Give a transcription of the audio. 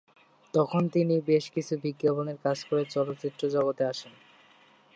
তখন তিনি বেশ কিছু বিজ্ঞাপনে কাজ করে চলচ্চিত্র জগতে আসেন।